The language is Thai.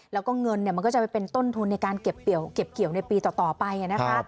แล้วก็เงินมันก็จะไปเป็นต้นทุนในการเก็บเกี่ยวในปีต่อไปนะคะ